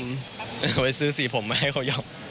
ไปซื้อสีผมไม่ให้เขายอม